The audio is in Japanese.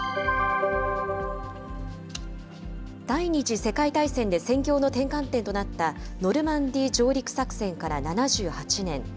第２次世界大戦で戦況の転換点となったノルマンディー上陸作戦から７８年。